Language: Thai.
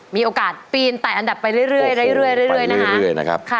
มีโอกาสปีนแต่อันดับไปเรื่อยนะคะ